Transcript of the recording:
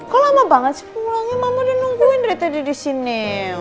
kok lama banget sih pulangnya mama udah nungguin dari tadi disini